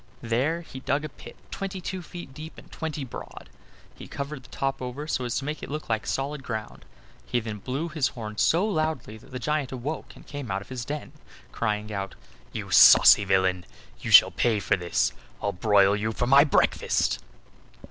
There he dug a pit twenty two feet deep and twenty broad. He covered the top over so as to make it look like solid ground. He then blew his horn so loudly that the giant awoke and came out of his den crying out: "You saucy villain! you shall pay for this I'll broil you for my breakfast!"